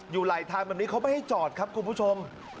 อยู่ไหลทางแบบนี้เขาไม่ให้จอดครับคุณผู้ชม